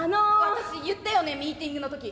私言ったよねミーティングの時。